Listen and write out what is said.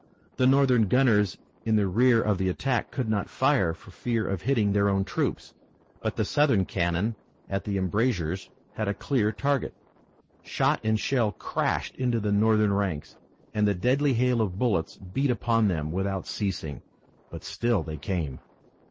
The Northern gunners in the rear of the attack could not fire for fear of hitting their own troops, but the Southern cannon at the embrasures had a clear target. Shot and shell crashed into the Northern ranks, and the deadly hail of bullets beat upon them without ceasing. But still they came.